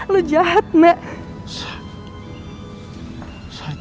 lo jahat mbak